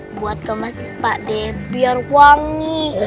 buat ke masjid pak deh biar wangi